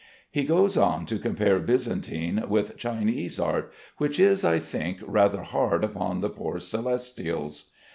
He goes on to compare Byzantine with Chinese art, which is, I think, rather hard upon the poor Celestials.